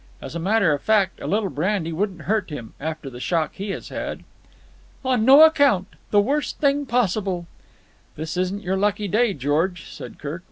"As a matter of fact, a little brandy wouldn't hurt him, after the shock he has had." "On no account. The worst thing possible." "This isn't your lucky day, George," said Kirk.